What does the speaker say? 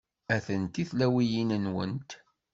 Atenti tlawiyin-nwent.